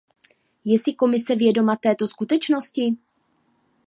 Je si Komise vědoma této skutečnosti?